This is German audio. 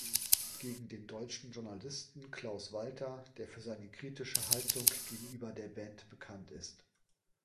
Gegen den deutschen Journalisten Klaus Walter, der für seine kritische Haltung gegenüber der Band bekannt ist.